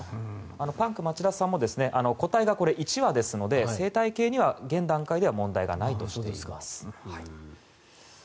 パンク町田さんも固体、１羽なので生態系には、現段階では問題がないとしています。